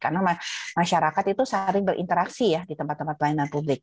karena masyarakat itu saling berinteraksi ya di tempat tempat pelayanan publik